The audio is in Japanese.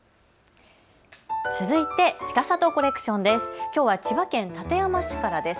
続いて、ちかさとコレクションです。